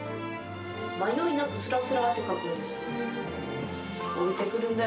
迷いなくすらすらって描くんですよ。